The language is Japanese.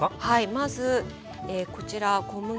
まずこちら小麦粉。